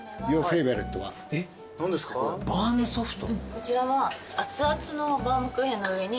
こちらは。